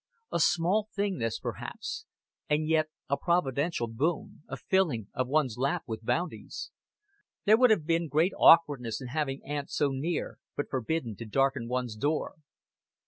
A small thing, this, perhaps; and yet a Providential boon, a filling of one's lap with bounties. There would have been great awkwardness in having Aunt so near, but forbidden to darken one's door.